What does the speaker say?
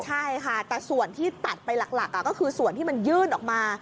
ใช่ค่ะแต่ส่วนที่ตัดไปหลักก็คือส่วนที่มันยื่นออกมา